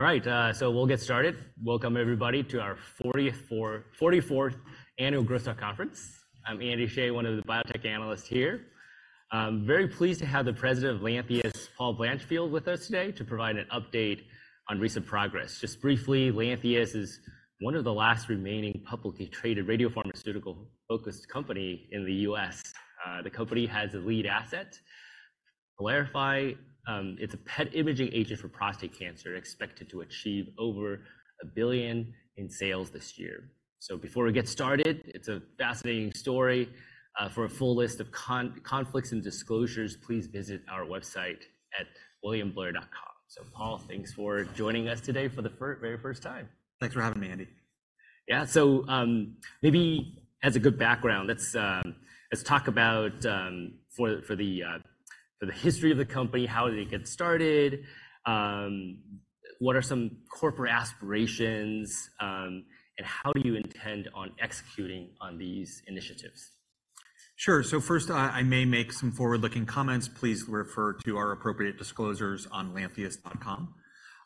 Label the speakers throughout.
Speaker 1: All right, so we'll get started. Welcome, everybody, to our 44th Annual Growth Stock Conference. I'm Andy Hsieh, one of the Biotech Analysts here. I'm very pleased to have the President of Lantheus, Paul Blanchfield, with us today to provide an update on recent progress. Just briefly, Lantheus is one of the last remaining publicly traded radiopharmaceutical-focused companies in the U.S. The company has a lead asset, PYLARIFY. It's a PET imaging agent for prostate cancer, expected to achieve over $1 billion in sales this year. So before we get started, it's a fascinating story. For a full list of conflicts and disclosures, please visit our website at williamblair.com. So Paul, thanks for joining us today for the very first time.
Speaker 2: Thanks for having me, Andy.
Speaker 3: Yeah, so maybe as a good background, let's talk about the history of the company, how did it get started, what are some corporate aspirations, and how do you intend on executing on these initiatives?
Speaker 2: Sure. First, I may make some forward-looking comments. Please refer to our appropriate disclosures on lantheus.com.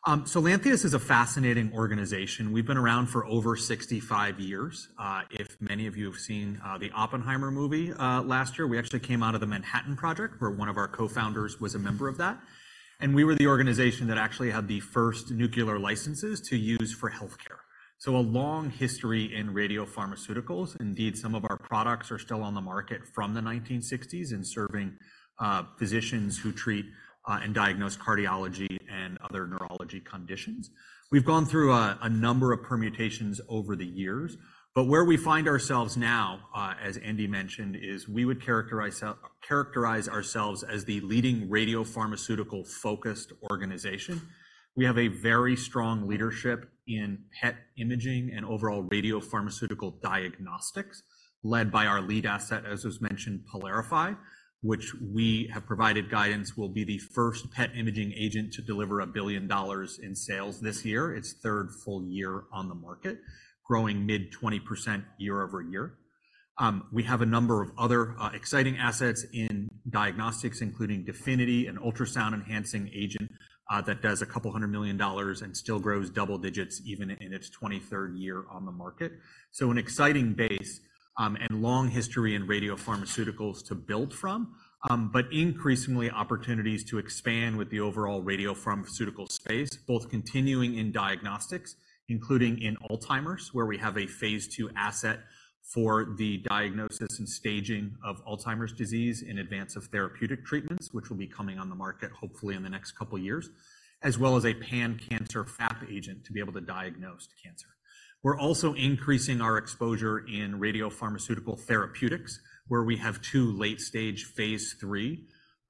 Speaker 2: Lantheus is a fascinating organization. We've been around for over 65 years. If many of you have seen the Oppenheimer movie last year, we actually came out of the Manhattan Project, where one of our co-founders was a member of that. And we were the organization that actually had the first nuclear licenses to use for health care. So a long history in radiopharmaceuticals. Indeed, some of our products are still on the market from the 1960s and serving physicians who treat and diagnose cardiology and other neurology conditions. We've gone through a number of permutations over the years. But where we find ourselves now, as Andy mentioned, is we would characterize ourselves as the leading radiopharmaceutical-focused organization. We have a very strong leadership in PET imaging and overall radiopharmaceutical diagnostics, led by our lead asset, as was mentioned, PYLARIFY, which we have provided guidance will be the first PET imaging agent to deliver $1 billion in sales this year. It's third full year on the market, growing mid-20% year-over-year. We have a number of other exciting assets in diagnostics, including DEFINITY, an ultrasound-enhancing agent that does a couple hundred million dollars and still grows double digits even in its 23rd year on the market. So an exciting base and long history in radiopharmaceuticals to build from, but increasingly opportunities to expand with the overall radiopharmaceutical space, both continuing in diagnostics, including in Alzheimer's, where we have a phase II asset for the diagnosis and staging of Alzheimer's disease in advance of therapeutic treatments, which will be coming on the market hopefully in the next couple of years, as well as a pan-cancer FAP agent to be able to diagnose cancer. We're also increasing our exposure in radiopharmaceutical therapeutics, where we have two late-stage phase III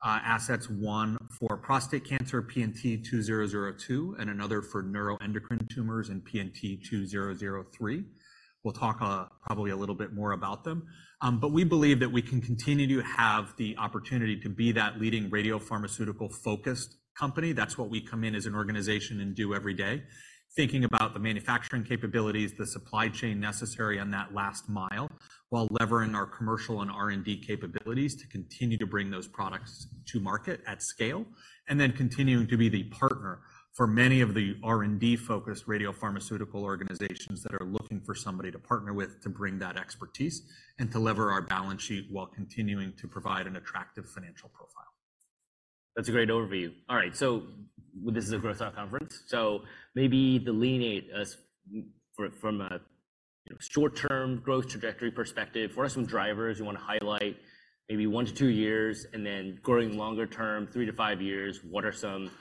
Speaker 2: assets, one for prostate cancer, PNT2002, and another for neuroendocrine tumors, and PNT2003. We'll talk probably a little bit more about them. But we believe that we can continue to have the opportunity to be that leading radiopharmaceutical-focused company. That's what we come in as an organization and do every day, thinking about the manufacturing capabilities, the supply chain necessary on that last mile, while leveraging our commercial and R&D capabilities to continue to bring those products to market at scale, and then continuing to be the partner for many of the R&D-focused radiopharmaceutical organizations that are looking for somebody to partner with to bring that expertise and to leverage our balance sheet while continuing to provide an attractive financial profile.
Speaker 1: That's a great overview. All right, so this is a Growth Stock Conference. So maybe delineate us from a short-term growth trajectory perspective. What are some drivers you want to highlight? Maybe 1 year-2 years, and then growing longer term, 3 years-5 years, what are some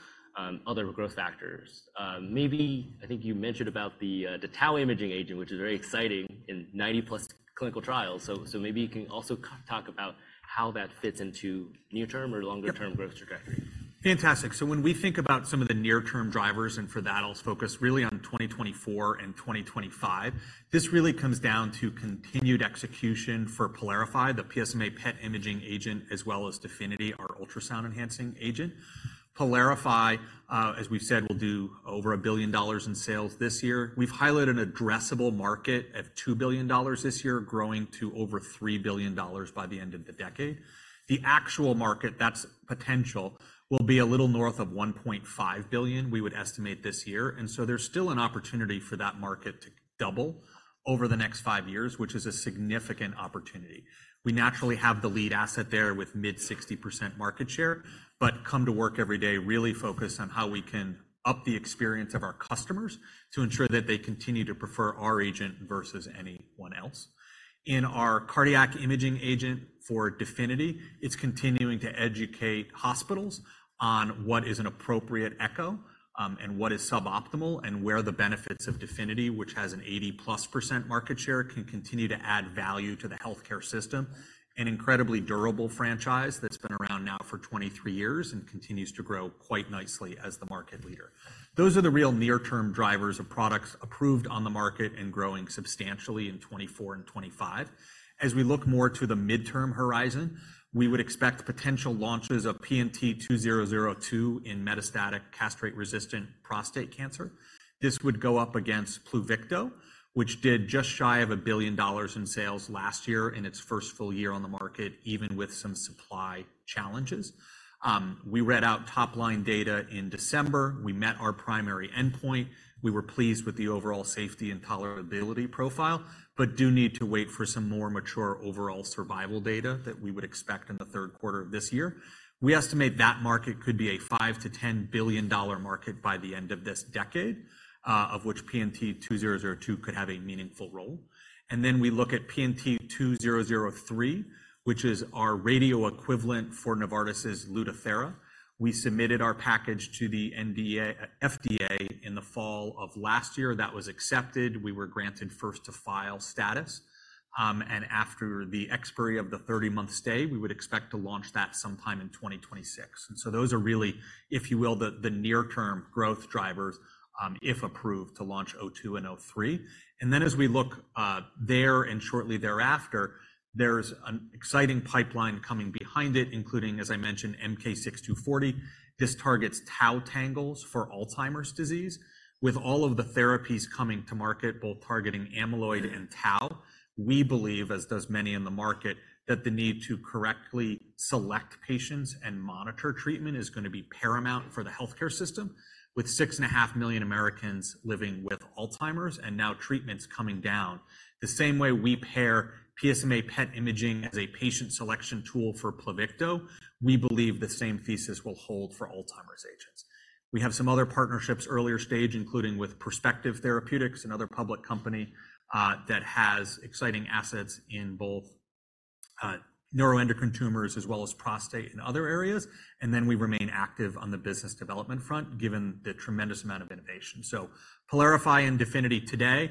Speaker 1: other growth factors? Maybe I think you mentioned about the tau imaging agent, which is very exciting in 90+ clinical trials. So maybe you can also talk about how that fits into near-term or longer-term growth trajectory.
Speaker 2: Fantastic. So when we think about some of the near-term drivers, and for that, I'll focus really on 2024 and 2025, this really comes down to continued execution for PYLARIFY, the PSMA PET imaging agent, as well as DEFINITY, our ultrasound-enhancing agent. PYLARIFY, as we've said, will do over $1 billion in sales this year. We've highlighted an addressable market of $2 billion this year, growing to over $3 billion by the end of the decade. The actual market, that's potential, will be a little north of $1.5 billion, we would estimate this year. And so there's still an opportunity for that market to double over the next five years, which is a significant opportunity. We naturally have the lead asset there with mid-60% market share, but come to work every day really focused on how we can up the experience of our customers to ensure that they continue to prefer our agent versus anyone else. In our cardiac imaging agent for DEFINITY, it's continuing to educate hospitals on what is an appropriate echo and what is suboptimal and where the benefits of DEFINITY, which has an 80%+ market share, can continue to add value to the health care system, an incredibly durable franchise that's been around now for 23 years and continues to grow quite nicely as the market leader. Those are the real near-term drivers of products approved on the market and growing substantially in 2024 and 2025. As we look more to the midterm horizon, we would expect potential launches of PNT2002 in metastatic castrate-resistant prostate cancer. This would go up against PLUVICTO, which did just shy of $1 billion in sales last year in its first full year on the market, even with some supply challenges. We read out top-line data in December. We met our primary endpoint. We were pleased with the overall safety and tolerability profile, but do need to wait for some more mature overall survival data that we would expect in the third quarter of this year. We estimate that market could be a $5 billion-$10 billion market by the end of this decade, of which PNT2002 could have a meaningful role. And then we look at PNT2003, which is our radio equivalent for Novartis's LUTATHERA. We submitted our package to the FDA in the fall of last year. That was accepted. We were granted first-to-file status. After the expiry of the 30-month stay, we would expect to launch that sometime in 2026. So those are really, if you will, the near-term growth drivers, if approved, to launch 'PNT2002 and PNT2003. Then as we look there and shortly thereafter, there's an exciting pipeline coming behind it, including, as I mentioned, MK-6240. This targets tau tangles for Alzheimer's disease. With all of the therapies coming to market, both targeting amyloid and tau, we believe, as does many in the market, that the need to correctly select patients and monitor treatment is going to be paramount for the health care system. With 6.5 million Americans living with Alzheimer's and now treatments coming down, the same way we pair PSMA PET imaging as a patient selection tool for PLUVICTO, we believe the same thesis will hold for Alzheimer's agents. We have some other partnerships earlier-stage, including with Perspective Therapeutics, another public company that has exciting assets in both neuroendocrine tumors as well as prostate and other areas. Then we remain active on the business development front, given the tremendous amount of innovation. So PYLARIFY and DEFINITY today,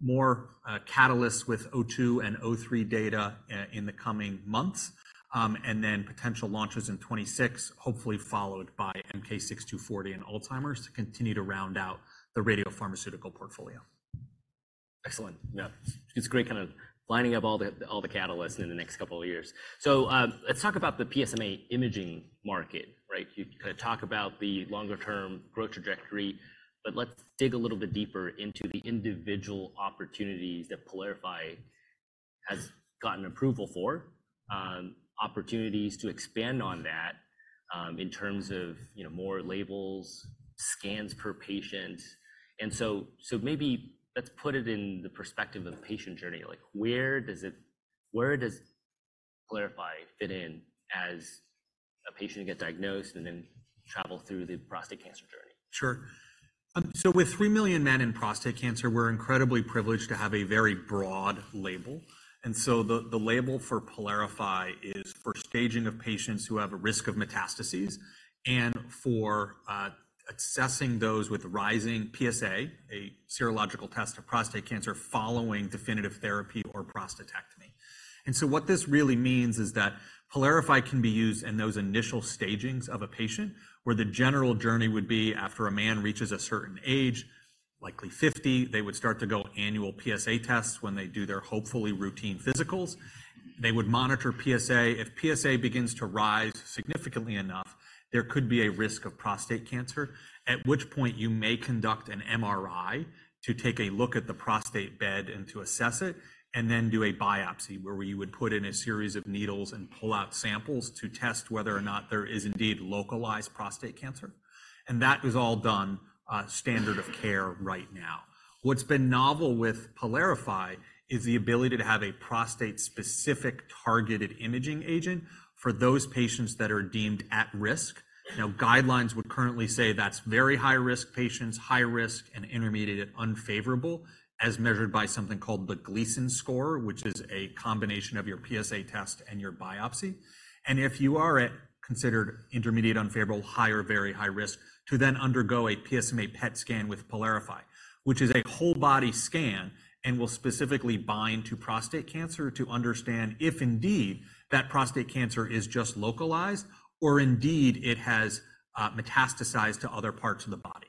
Speaker 2: more catalysts with PNT2002 and PNT2003 data in the coming months, and then potential launches in 2026, hopefully followed by MK-6240 and Alzheimer's to continue to round out the radiopharmaceutical portfolio.
Speaker 1: Excellent. Yeah, it's a great kind of lining up all the catalysts in the next couple of years. So let's talk about the PSMA imaging market, right? You kind of talk about the longer-term growth trajectory, but let's dig a little bit deeper into the individual opportunities that PYLARIFY has gotten approval for, opportunities to expand on that in terms of more labels, scans per patient. And so maybe let's put it in the perspective of patient journey. Where does PYLARIFY fit in as a patient who gets diagnosed and then travels through the prostate cancer journey?
Speaker 2: Sure. So with three million men in prostate cancer, we're incredibly privileged to have a very broad label. And so the label for PYLARIFY is for staging of patients who have a risk of metastases and for assessing those with rising PSA, a serological test of prostate cancer following definitive therapy or prostatectomy. And so what this really means is that PYLARIFY can be used in those initial stagings of a patient where the general journey would be after a man reaches a certain age, likely 50, they would start to go annual PSA tests when they do their hopefully routine physicals. They would monitor PSA. If PSA begins to rise significantly enough, there could be a risk of prostate cancer, at which point you may conduct an MRI to take a look at the prostate bed and to assess it, and then do a biopsy where you would put in a series of needles and pull out samples to test whether or not there is indeed localized prostate cancer. That is all done standard of care right now. What's been novel with PYLARIFY is the ability to have a prostate-specific targeted imaging agent for those patients that are deemed at risk. Now, guidelines would currently say that's very high-risk patients, high-risk, and intermediate unfavorable, as measured by something called the Gleason Score, which is a combination of your PSA test and your biopsy. If you are considered intermediate unfavorable, high or very high risk, to then undergo a PSMA PET scan with PYLARIFY, which is a whole-body scan and will specifically bind to prostate cancer to understand if indeed that prostate cancer is just localized or indeed it has metastasized to other parts of the body.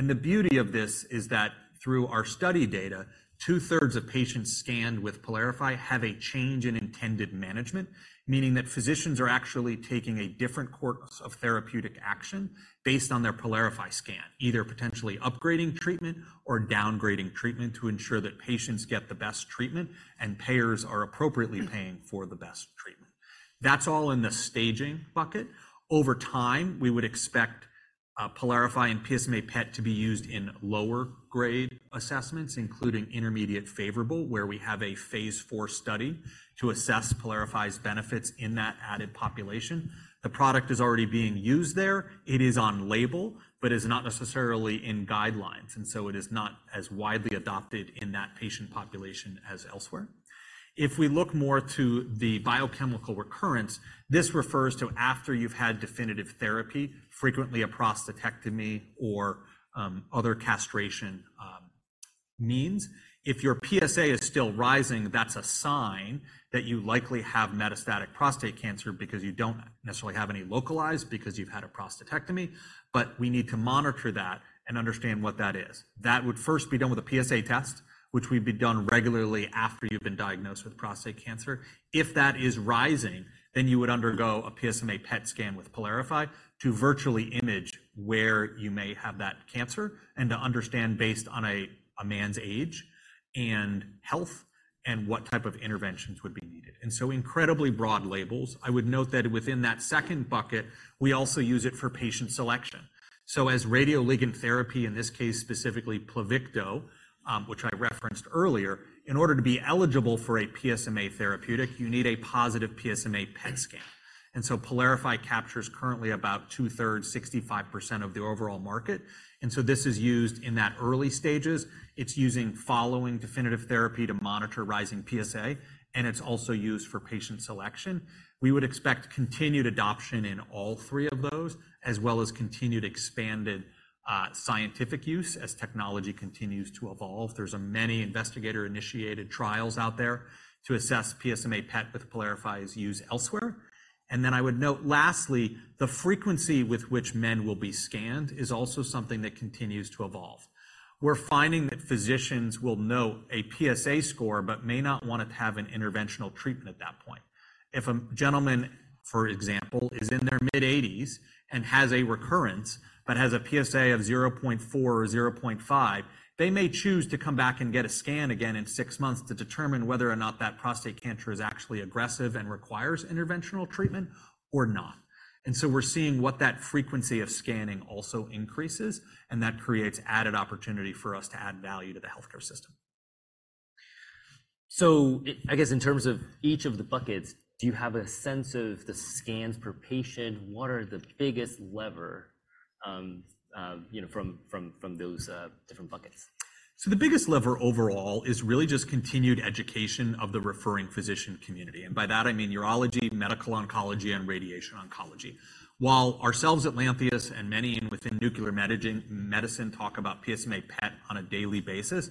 Speaker 2: The beauty of this is that through our study data, 2/3 of patients scanned with PYLARIFY have a change in intended management, meaning that physicians are actually taking a different course of therapeutic action based on their PYLARIFY scan, either potentially upgrading treatment or downgrading treatment to ensure that patients get the best treatment and payers are appropriately paying for the best treatment. That's all in the staging bucket. Over time, we would expect PYLARIFY and PSMA PET to be used in lower-grade assessments, including intermediate favorable, where we have a phase IV study to assess PYLARIFY's benefits in that added population. The product is already being used there. It is on label, but is not necessarily in guidelines. So it is not as widely adopted in that patient population as elsewhere. If we look more to the biochemical recurrence, this refers to after you've had definitive therapy, frequently a prostatectomy or other castration means. If your PSA is still rising, that's a sign that you likely have metastatic prostate cancer because you don't necessarily have any localized because you've had a prostatectomy. But we need to monitor that and understand what that is. That would first be done with a PSA test, which would be done regularly after you've been diagnosed with prostate cancer. If that is rising, then you would undergo a PSMA PET scan with PYLARIFY to virtually image where you may have that cancer and to understand based on a man's age and health and what type of interventions would be needed. And so incredibly broad labels. I would note that within that second bucket, we also use it for patient selection. So as radioligand therapy, in this case, specifically PLUVICTO, which I referenced earlier, in order to be eligible for a PSMA therapeutic, you need a positive PSMA PET scan. And so PYLARIFY captures currently about 2/3, 65% of the overall market. And so this is used in that early stages. It's using following definitive therapy to monitor rising PSA, and it's also used for patient selection. We would expect continued adoption in all three of those, as well as continued expanded scientific use as technology continues to evolve. There's many investigator-initiated trials out there to assess PSMA PET with PYLARIFY's use elsewhere. Then I would note lastly, the frequency with which men will be scanned is also something that continues to evolve. We're finding that physicians will note a PSA score but may not want to have an interventional treatment at that point. If a gentleman, for example, is in their mid-80s and has a recurrence but has a PSA of 0.4 or 0.5, they may choose to come back and get a scan again in six months to determine whether or not that prostate cancer is actually aggressive and requires interventional treatment or not. So we're seeing what that frequency of scanning also increases, and that creates added opportunity for us to add value to the health care system.
Speaker 1: So I guess in terms of each of the buckets, do you have a sense of the scans per patient? What are the biggest levers from those different buckets?
Speaker 2: So the biggest lever overall is really just continued education of the referring physician community. And by that, I mean urology, medical oncology, and radiation oncology. While ourselves at Lantheus and many within nuclear medicine talk about PSMA PET on a daily basis,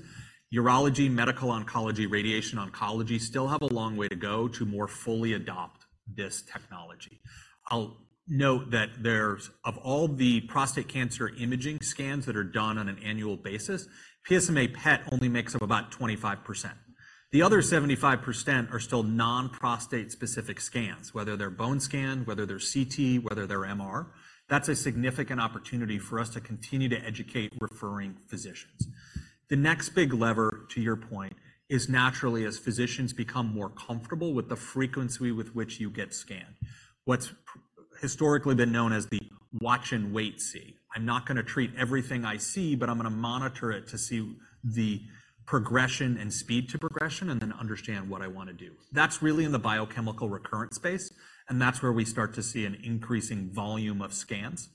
Speaker 2: urology, medical oncology, radiation oncology still have a long way to go to more fully adopt this technology. I'll note that of all the prostate cancer imaging scans that are done on an annual basis, PSMA PET only makes up about 25%. The other 75% are still non-prostate-specific scans, whether they're bone scans, whether they're CT, whether they're MR. That's a significant opportunity for us to continue to educate referring physicians. The next big lever, to your point, is naturally as physicians become more comfortable with the frequency with which you get scanned. What's historically been known as the watch and wait see. I'm not going to treat everything I see, but I'm going to monitor it to see the progression and speed to progression and then understand what I want to do. That's really in the biochemical recurrence space, and that's where we start to see an increasing volume of scans.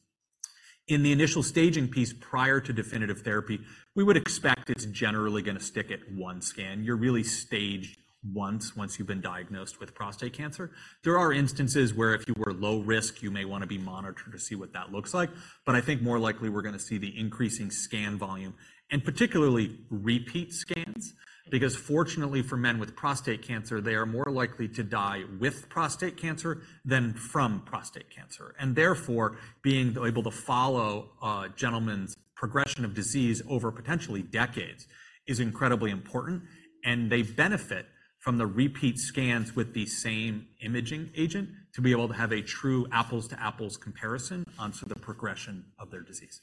Speaker 2: In the initial staging piece prior to definitive therapy, we would expect it's generally going to stick at one scan. You're really staged once you've been diagnosed with prostate cancer. There are instances where if you were low risk, you may want to be monitored to see what that looks like. I think more likely we're going to see the increasing scan volume and particularly repeat scans because fortunately for men with prostate cancer, they are more likely to die with prostate cancer than from prostate cancer. Therefore, being able to follow a gentleman's progression of disease over potentially decades is incredibly important. They benefit from the repeat scans with the same imaging agent to be able to have a true apples-to-apples comparison onto the progression of their disease.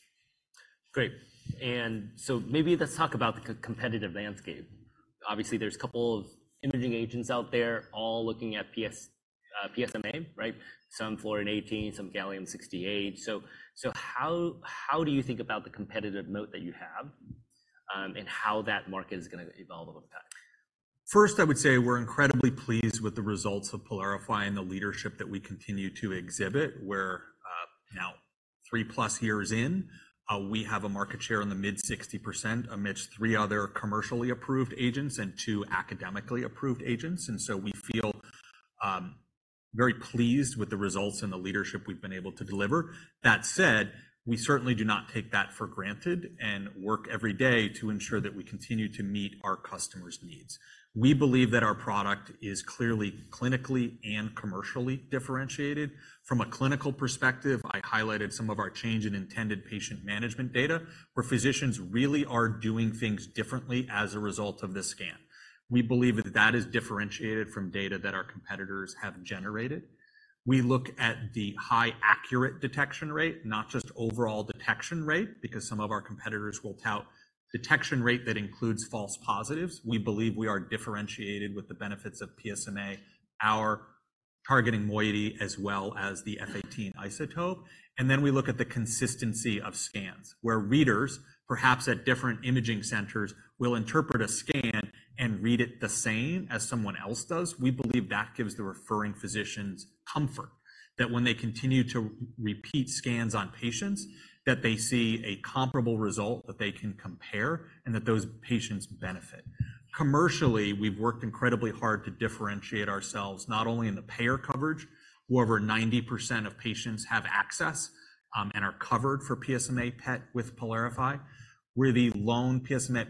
Speaker 1: Great. And so maybe let's talk about the competitive landscape. Obviously, there's a couple of imaging agents out there all looking at PSMA, right? Some Fluorine-18, some Gallium-68. So how do you think about the competitive moat that you have and how that market is going to evolve over time?
Speaker 2: First, I would say we're incredibly pleased with the results of PYLARIFY and the leadership that we continue to exhibit where now 3+ years in, we have a market share in the mid-60% amidst three other commercially approved agents and two academically approved agents. So we feel very pleased with the results and the leadership we've been able to deliver. That said, we certainly do not take that for granted and work every day to ensure that we continue to meet our customers' needs. We believe that our product is clearly clinically and commercially differentiated. From a clinical perspective, I highlighted some of our change in intended patient management data where physicians really are doing things differently as a result of the scan. We believe that that is differentiated from data that our competitors have generated. We look at the highly accurate detection rate, not just overall detection rate because some of our competitors will tout detection rate that includes false positives. We believe we are differentiated with the benefits of PSMA, our targeting moiety as well as the F-18 isotope. Then we look at the consistency of scans where readers, perhaps at different imaging centers, will interpret a scan and read it the same as someone else does. We believe that gives the referring physicians comfort that when they continue to repeat scans on patients, that they see a comparable result that they can compare and that those patients benefit. Commercially, we've worked incredibly hard to differentiate ourselves not only in the payer coverage, where over 90% of patients have access and are covered for PSMA PET with PYLARIFY. We're the lone PSMA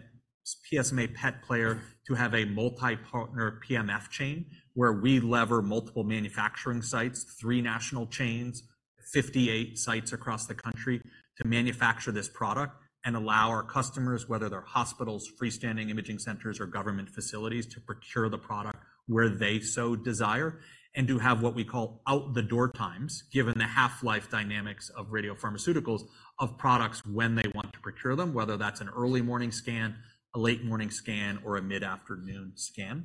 Speaker 2: PET player to have a multi-partner PMF chain where we leverage multiple manufacturing sites, three national chains, 58 sites across the country to manufacture this product and allow our customers, whether they're hospitals, freestanding imaging centers, or government facilities, to procure the product where they so desire and to have what we call out-the-door times, given the half-life dynamics of radiopharmaceuticals of products when they want to procure them, whether that's an early morning scan, a late morning scan, or a mid-afternoon scan,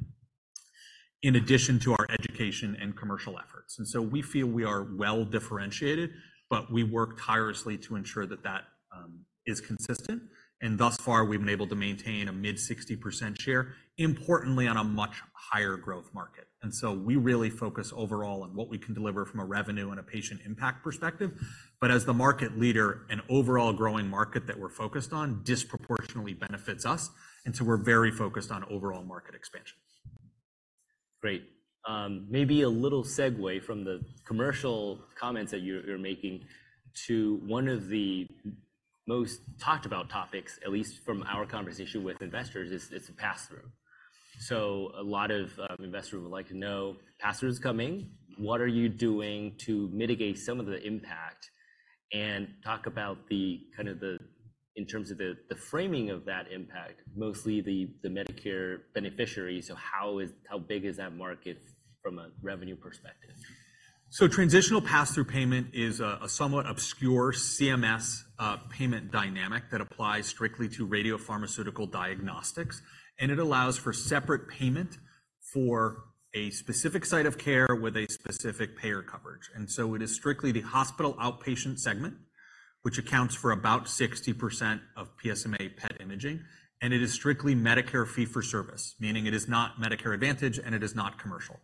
Speaker 2: in addition to our education and commercial efforts. So we feel we are well differentiated, but we work tirelessly to ensure that that is consistent. Thus far, we've been able to maintain a mid-60% share, importantly on a much higher growth market. So we really focus overall on what we can deliver from a revenue and a patient impact perspective. As the market leader, an overall growing market that we're focused on disproportionately benefits us. So we're very focused on overall market expansion.
Speaker 1: Great. Maybe a little segue from the commercial comments that you're making to one of the most talked about topics, at least from our conversation with investors, is pass-through. So a lot of investors would like to know, pass-through is coming. What are you doing to mitigate some of the impact and talk about the kind of in terms of the framing of that impact, mostly the Medicare beneficiaries? So how big is that market from a revenue perspective?
Speaker 2: Transitional Pass-Through payment is a somewhat obscure CMS payment dynamic that applies strictly to radiopharmaceutical diagnostics. It allows for separate payment for a specific site of care with a specific payer coverage. It is strictly the hospital outpatient segment, which accounts for about 60% of PSMA PET imaging. It is strictly Medicare Fee-For-Service, meaning it is not Medicare Advantage and it is not commercial.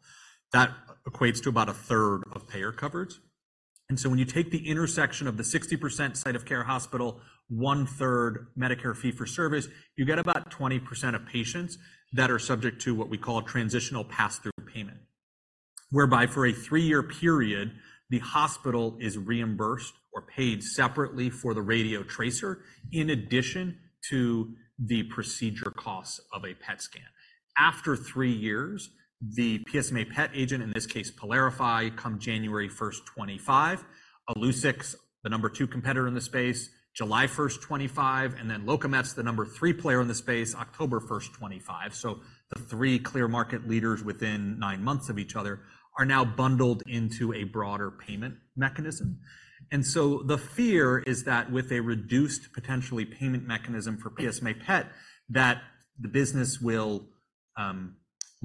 Speaker 2: That equates to about 1/3 of payer coverage. When you take the intersection of the 60% site of care hospital, 1/3 Medicare Fee-For-Service, you get about 20% of patients that are subject to what we call Transitional Pass-Through payment, whereby for a three-year period, the hospital is reimbursed or paid separately for the radiotracer in addition to the procedure costs of a PET scan. After three years, the PSMA PET agent, in this case, PYLARIFY, comes January 1st, 2025. Illuccix, the number two competitor in the space, July 1st, 2025. And then LOCAMETZ, the number three player in the space, October 1st, 2025. So the three clear market leaders within nine months of each other are now bundled into a broader payment mechanism. And so the fear is that with a reduced potentially payment mechanism for PSMA PET, that the business will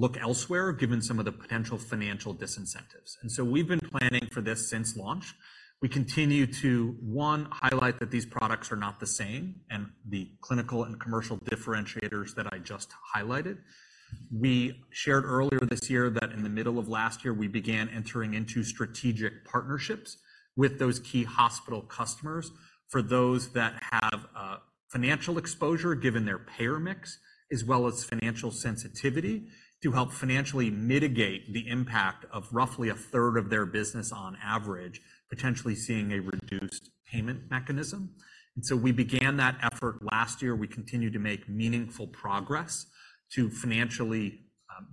Speaker 2: look elsewhere given some of the potential financial disincentives. And so we've been planning for this since launch. We continue to, one, highlight that these products are not the same and the clinical and commercial differentiators that I just highlighted. We shared earlier this year that in the middle of last year, we began entering into strategic partnerships with those key hospital customers for those that have financial exposure given their payer mix as well as financial sensitivity to help financially mitigate the impact of roughly 1/3 of their business on average, potentially seeing a reduced payment mechanism. And so we began that effort last year. We continue to make meaningful progress to financially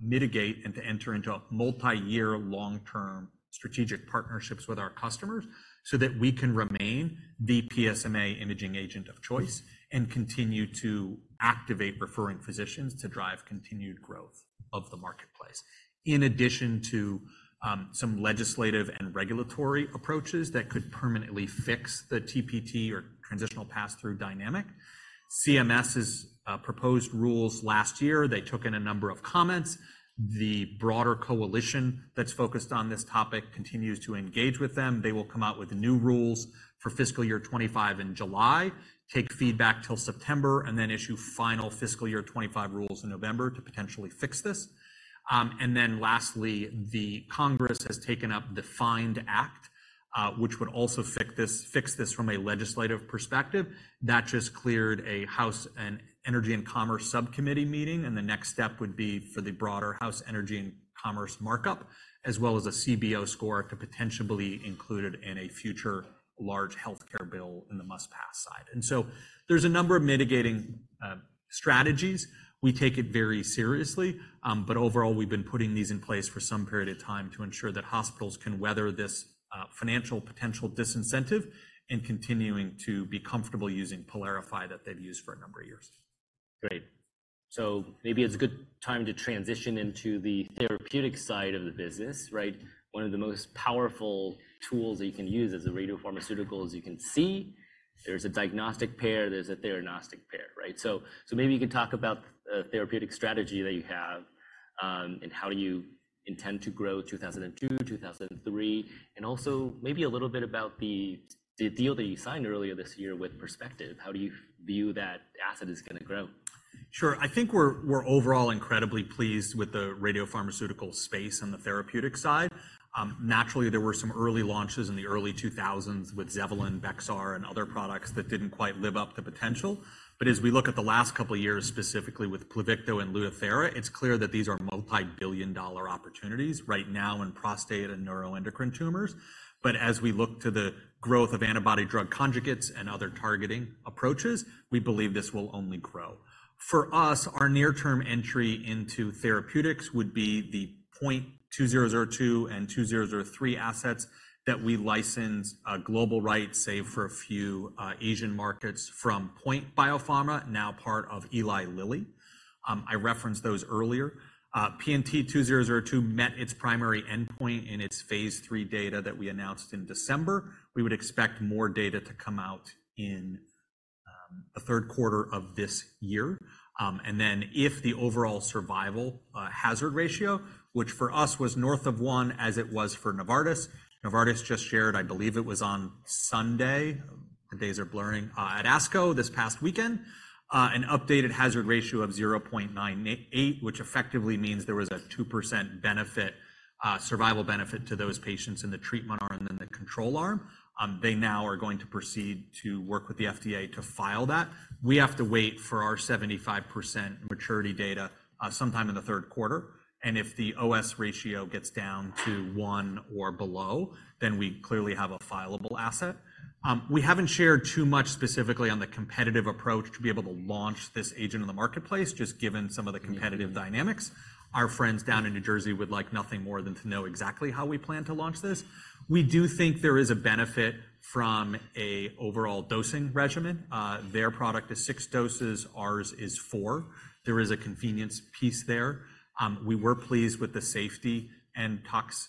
Speaker 2: mitigate and to enter into multi-year long-term strategic partnerships with our customers so that we can remain the PSMA imaging agent of choice and continue to activate referring physicians to drive continued growth of the marketplace. In addition to some legislative and regulatory approaches that could permanently fix the TPT or Transitional Pass-Through dynamic, CMS has proposed rules last year. They took in a number of comments. The broader coalition that's focused on this topic continues to engage with them. They will come out with new rules for fiscal year 2025 in July, take feedback till September, and then issue final fiscal year 2025 rules in November to potentially fix this. Then lastly, the Congress has taken up the FIND Act, which would also fix this from a legislative perspective. That just cleared a House Energy and Commerce Subcommittee meeting. The next step would be for the broader House Energy and Commerce markup, as well as a CBO score to potentially be included in a future large healthcare bill in the must-pass side. So there's a number of mitigating strategies. We take it very seriously. But overall, we've been putting these in place for some period of time to ensure that hospitals can weather this financial potential disincentive and continuing to be comfortable using PYLARIFY that they've used for a number of years.
Speaker 1: Great. So maybe it's a good time to transition into the therapeutic side of the business, right? One of the most powerful tools that you can use as a radiopharmaceutical is you can see there's a diagnostic pair, there's a theranostic pair, right? So maybe you could talk about the therapeutic strategy that you have and how do you intend to grow 2002, 2003, and also maybe a little bit about the deal that you signed earlier this year with Perspective. How do you view that asset is going to grow?
Speaker 2: Sure. I think we're overall incredibly pleased with the radiopharmaceutical space on the therapeutic side. Naturally, there were some early launches in the early 2000s with Zevalin, BEXXAR, and other products that didn't quite live up to potential. But as we look at the last couple of years, specifically with PLUVICTO and LUTATHERA, it's clear that these are multi-billion-dollar opportunities right now in prostate and neuroendocrine tumors. But as we look to the growth of antibody drug conjugates and other targeting approaches, we believe this will only grow. For us, our near-term entry into therapeutics would be the PNT2002 and PNT2003 assets that we licensed global rights save for a few Asian markets from POINT Biopharma, now part of Eli Lilly. I referenced those earlier. PNT2002 met its primary endpoint in its phase III data that we announced in December. We would expect more data to come out in the third quarter of this year. And then if the overall survival hazard ratio, which for us was north of one as it was for Novartis, Novartis just shared, I believe it was on Sunday, the days are blurring, at ASCO this past weekend, an updated hazard ratio of 0.98, which effectively means there was a 2% survival benefit to those patients in the treatment arm and then the control arm. They now are going to proceed to work with the FDA to file that. We have to wait for our 75% maturity data sometime in the third quarter. And if the OS ratio gets down to one or below, then we clearly have a filable asset. We haven't shared too much specifically on the competitive approach to be able to launch this agent in the marketplace, just given some of the competitive dynamics. Our friends down in New Jersey would like nothing more than to know exactly how we plan to launch this. We do think there is a benefit from an overall dosing regimen. Their product is six doses, ours is. There is a convenience piece there. We were pleased with the safety and tox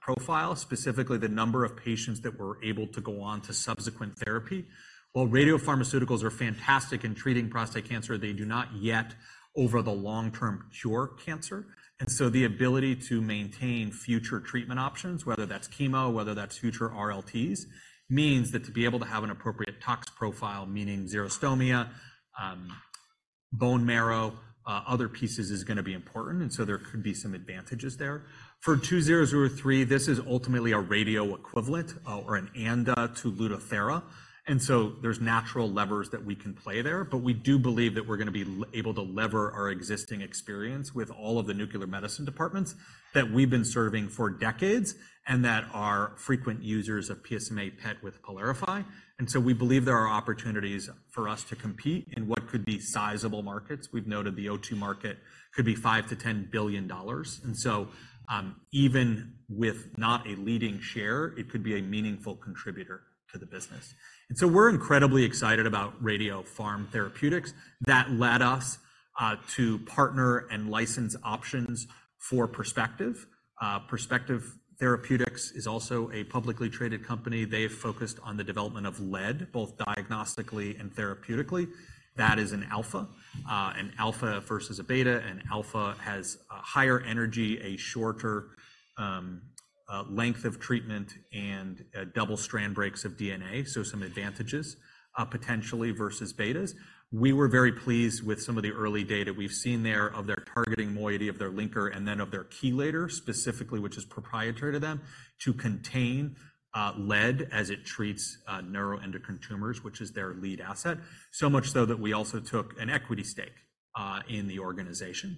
Speaker 2: profile, specifically the number of patients that were able to go on to subsequent therapy. While radiopharmaceuticals are fantastic in treating prostate cancer, they do not yet over the long-term cure cancer. The ability to maintain future treatment options, whether that's chemo, whether that's future RLTs, means that to be able to have an appropriate tox profile, meaning xerostomia, bone marrow, other pieces is going to be important. There could be some advantages there. For PNT2003, this is ultimately a radio equivalent or an ANDA to LUTATHERA. There's natural levers that we can play there. But we do believe that we're going to be able to lever our existing experience with all of the nuclear medicine departments that we've been serving for decades and that are frequent users of PSMA PET with PYLARIFY. We believe there are opportunities for us to compete in what could be sizable markets. We've noted the PNT2002 market could be $5 billion-$10 billion. Even with not a leading share, it could be a meaningful contributor to the business. We're incredibly excited about radiopharm therapeutics. That led us to partner and license options for Perspective Therapeutics. Perspective Therapeutics is also a publicly traded company. They have focused on the development of lead, both diagnostically and therapeutically. That is an alpha, an alpha versus a beta. An alpha has a higher energy, a shorter length of treatment, and double strand breaks of DNA. So some advantages potentially versus betas. We were very pleased with some of the early data we've seen there of their targeting moiety of their linker and then of their chelator specifically, which is proprietary to them to contain lead as it treats neuroendocrine tumors, which is their lead asset. So much so that we also took an equity stake in the organization.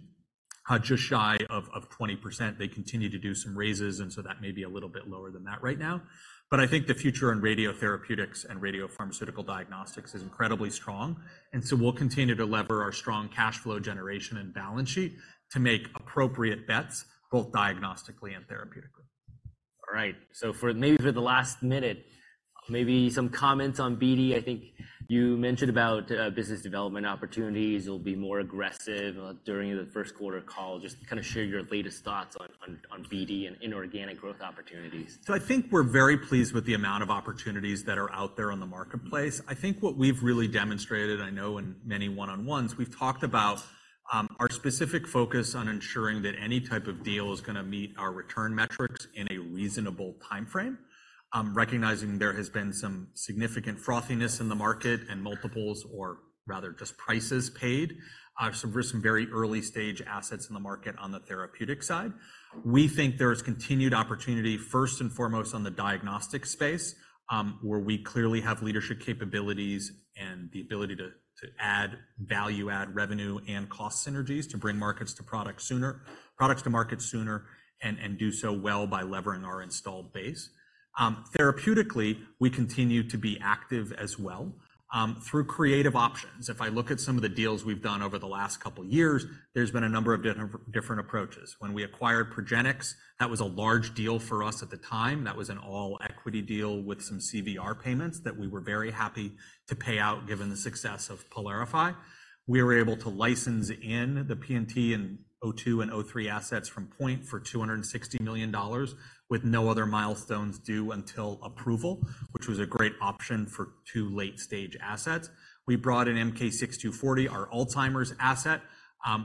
Speaker 2: Just shy of 20%. They continue to do some raises. And so that may be a little bit lower than that right now. But I think the future in radiotherapeutics and radiopharmaceutical diagnostics is incredibly strong. And so we'll continue to lever our strong cash flow generation and balance sheet to make appropriate bets, both diagnostically and therapeutically.
Speaker 1: All right. So maybe for the last minute, maybe some comments on BD. I think you mentioned about business development opportunities. It'll be more aggressive during the first quarter call. Just kind of share your latest thoughts on BD and inorganic growth opportunities.
Speaker 2: So I think we're very pleased with the amount of opportunities that are out there on the marketplace. I think what we've really demonstrated, I know in many one-on-ones, we've talked about our specific focus on ensuring that any type of deal is going to meet our return metrics in a reasonable timeframe, recognizing there has been some significant frothiness in the market and multiples or rather just prices paid. There are some very early stage assets in the market on the therapeutic side. We think there is continued opportunity, first and foremost on the diagnostic space, where we clearly have leadership capabilities and the ability to add value, add revenue and cost synergies to bring markets to products sooner, products to market sooner, and do so well by levering our installed base. Therapeutically, we continue to be active as well through creative options. If I look at some of the deals we've done over the last couple of years, there's been a number of different approaches. When we acquired Progenics, that was a large deal for us at the time. That was an all-equity deal with some CVR payments that we were very happy to pay out given the success of PYLARIFY. We were able to license in the PNT2002 and PNT2003 assets from POINT for $260 million with no other milestones due until approval, which was a great option for two late-stage assets. We brought in MK-6240, our Alzheimer's asset,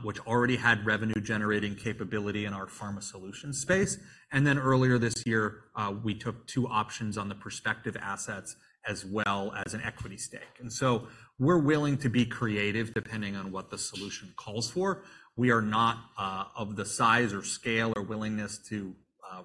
Speaker 2: which already had revenue-generating capability in our pharma solution space. And then earlier this year, we took two options on the Perspective assets as well as an equity stake. And so we're willing to be creative depending on what the solution calls for. We are not of the size or scale or willingness to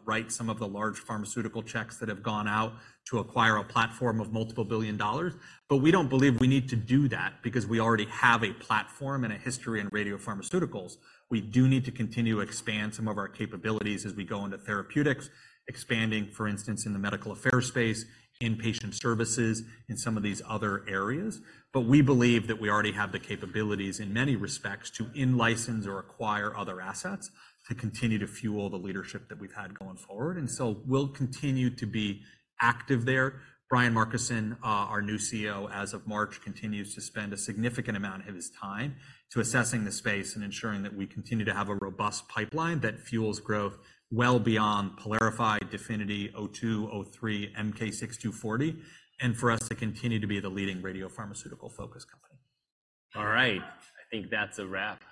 Speaker 2: write some of the large pharmaceutical checks that have gone out to acquire a platform of multiple billion dollars. But we don't believe we need to do that because we already have a platform and a history in radiopharmaceuticals. We do need to continue to expand some of our capabilities as we go into therapeutics, expanding, for instance, in the medical affairs space, inpatient services, in some of these other areas. But we believe that we already have the capabilities in many respects to in-license or acquire other assets to continue to fuel the leadership that we've had going forward. And so we'll continue to be active there. Brian Markison, our new CEO, as of March, continues to spend a significant amount of his time assessing the space and ensuring that we continue to have a robust pipeline that fuels growth well beyond PYLARIFY, DEFINITY, PNT2002, PNT2003, MK-6240, and for us to continue to be the leading radiopharmaceutical-focused company.
Speaker 1: All right. I think that's a wrap.